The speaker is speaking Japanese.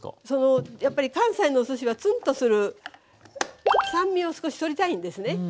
そのやっぱり関西のおすしはツンとする酸味を少し取りたいんですね。